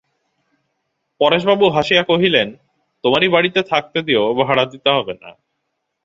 পরেশবাবু হাসিয়া কহিলেন, তোমারই বাড়িতে থাকতে দিয়ো, ভাড়া দিতে হবে না।